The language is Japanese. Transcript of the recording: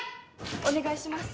お願いします。